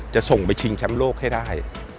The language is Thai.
จะส่งไปชิงแชมป์โลกให้ได้